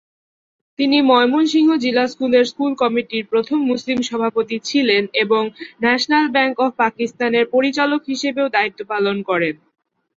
তিনি ময়মনসিংহ জিলা স্কুলের স্কুল কমিটির প্রথম মুসলিম সভাপতি ছিলেন এবং ন্যাশনাল ব্যাংক অব পাকিস্তানের পরিচালক হিসেবেও দায়িত্ব পালন করেন।